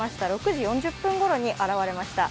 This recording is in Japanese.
６時４０分ごろに現れました。